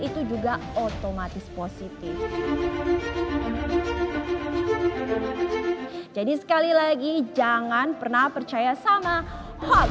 itu juga otomatis positif jadi sekali lagi jangan pernah percaya sama hoax